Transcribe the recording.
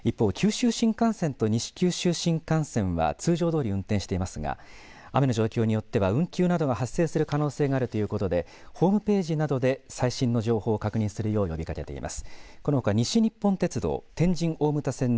一方、九州新幹線と西九州新幹線は通常どおり運転していますが雨の状況によっては運休などが発生する可能性があるということでホームページなどで最新の情報を確認するよう呼びかけています。